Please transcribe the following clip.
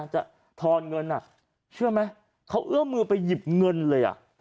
ทอนเงินเชื่อไหมเขาเอื้อมมือไปหยิบเงินเลย